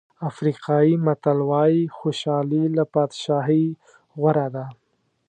افریقایي متل وایي خوشالي له بادشاهۍ غوره ده.